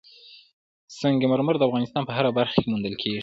سنگ مرمر د افغانستان په هره برخه کې موندل کېږي.